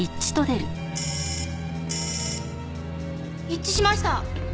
一致しました！